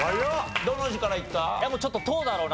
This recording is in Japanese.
どの字からいった？